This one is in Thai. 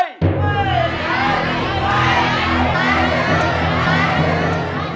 ไม่ใช่